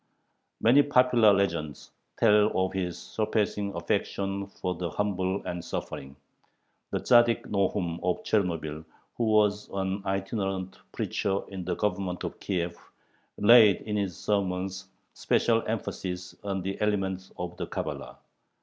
Many popular legends tell of his surpassing affection for the humble and suffering. The Tzaddik Nohum of Chernobyl, who was an itinerant preacher in the Government of Kiev, laid in his sermons special emphasis on the element of the Cabala.